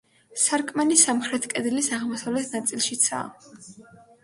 სარკმელი სამხრეთ კედლის აღმოსავლეთ ნაწილშიცაა.